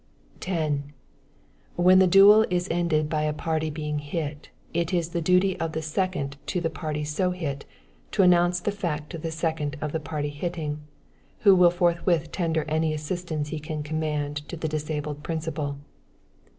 10. When the duel is ended by a party being hit, it is the duty of the second to the party so hit, to announce the fact to the second of the party hitting, who will forthwith tender any assistance he can command to the disabled principal.